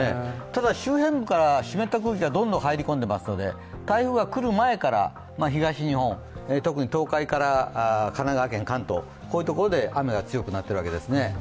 ただ周辺部から湿った空気がどんどん入り込んでいますので、台風が来る前から東日本、特に東海から神奈川県、関東、こういうところで雨が強くなっているわけですね。